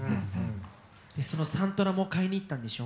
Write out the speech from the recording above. そのサントラも買いに行ったんでしょ？